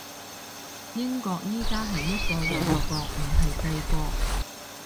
英國而家係一個王國，唔係帝國